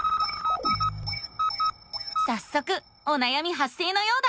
さっそくおなやみ発生のようだ。